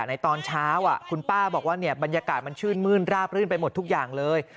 ในตอนเช้าคุณป้าบอกว่าบรรยากาศมันชื่นมื้นราบรื่นไปหมดทุกอย่างเลย